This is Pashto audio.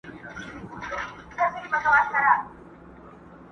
خالقه سترګي د رقیب مي سپېلني کې ورته!!